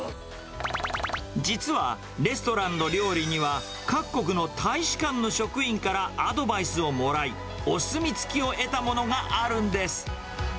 実は、レストランの料理には、各国の大使館の職員からアドバイスをもらい、お墨付きを得たものがあるんです。